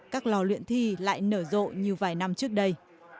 các lò luyện thi lại nở rộ như vài năm trước đây